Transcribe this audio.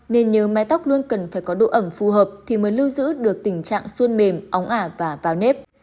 nên nhớ mái tóc luôn cần phải có độ ẩm phù hợp thì mới lưu giữ được tình trạng xuôn mềm óng ả vào nếp